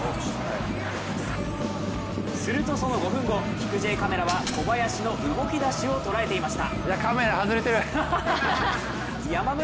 するとその５分後、キクＪＣＡＭは小林の動き出しを捉えていました。